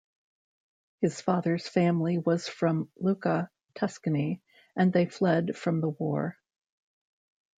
His father's family was from Lucca, Tuscany, and they fled from the war.